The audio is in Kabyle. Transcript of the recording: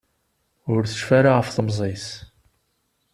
Ur tecfi ara ɣef temẓi-s.